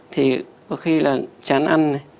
thì có khi là chán ăn